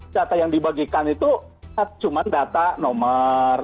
data yang dibagikan itu cuma data nomor